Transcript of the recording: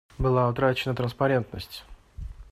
Была утрачена транспарентность.